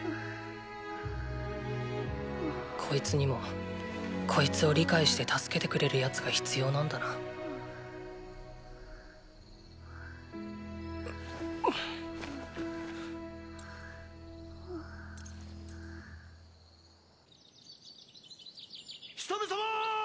こいつにもこいつを理解して助けてくれる奴が必要なんだなヒサメ様ーー！！